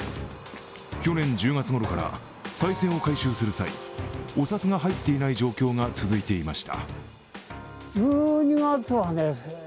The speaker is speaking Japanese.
去年１０月ごろから、さい銭を回収する際、お札が入っていない状況が続いていました。